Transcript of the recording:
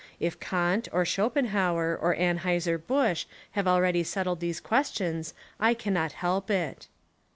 If Kant, or Schopenhauer, or Anheuser Busch have already settled these questions, I cannot help it.